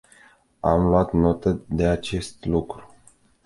Am luat notă de acest lucru.